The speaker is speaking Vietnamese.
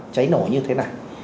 cháy nổi như thế này